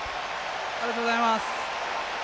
ありがとうございます！